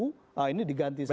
nah ini diganti semua